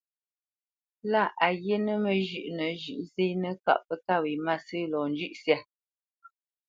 Lâ a ghíínə̂ məzhʉ́ʼnə zhʉ̌ʼ zénə́ kâʼ pə́ kâ wě mbâsə̂ lɔ njʉ̂ʼ syâ.